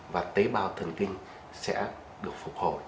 và tế bào thần kinh sẽ được phục hồi